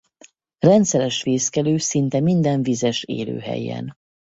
Rendszeres fészkelő szinte minden vizes élőhelyen.